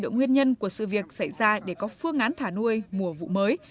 nguyên nhân của sự việc xảy ra để có phương án thả nuôi mùa vụ mới